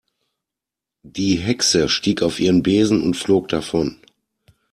Die Hexe stieg auf ihren Besen und flog davon.